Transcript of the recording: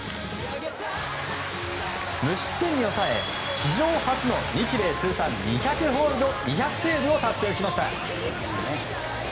無失点に抑え、史上初の日米通算２００ホールド２００セーブを達成しました。